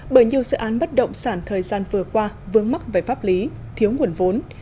bởi nhiều sự án bất động sản thời gian vừa qua vướng mắc về pháp lý thiếu nguồn vốn